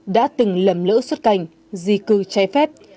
đã từng lầm lỡ xuất cảnh di cư trái phép